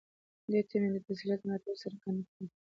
ده ته مې د تسلیت مراتب څرګند کړل.